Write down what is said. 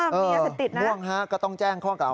มียาเสพติดนะง่วงฮะก็ต้องแจ้งข้อกล่าว